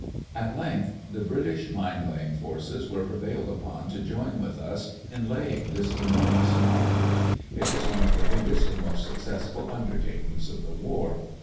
At length the British mine laying forces were prevailed upon to join with us in laying this enormous mine. It was one of the biggest and most successful undertakings of the war.